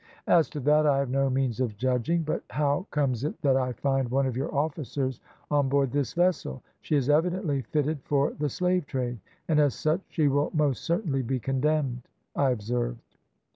"`As to that I have no means of judging, but how comes it that I find one of your officers on board this vessel? She is evidently fitted for the slave trade, and as such she will most certainly be condemned,' I observed.